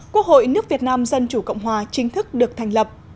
quốc hội nước việt nam dân chủ cộng hòa chính thức được thành lập